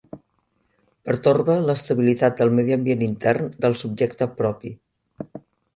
Pertorbe l'estabilitat del medi ambient intern del subjecte propi.